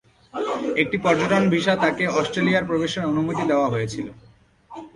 একটি পর্যটন ভিসা তাকে অস্ট্রেলিয়ায় প্রবেশের অনুমতি দেওয়া হয়েছিল।